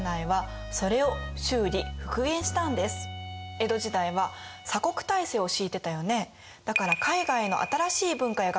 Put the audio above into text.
江戸時代は鎖国体制を敷いてたよね。